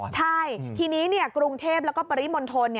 ใช่ทีนี้กรุงเทพแล้วก็ปริมณฑล